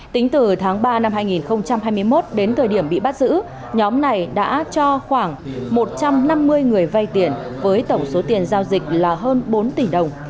tính từ tháng ba năm hai nghìn hai mươi một đến thời điểm bị bắt giữ nhóm này đã cho khoảng một trăm năm mươi người vay tiền với tổng số tiền giao dịch là hơn bốn tỷ đồng